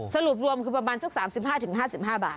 สรุปรวมคือประมาณสัก๓๕๕บาท